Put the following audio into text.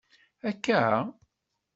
Akka?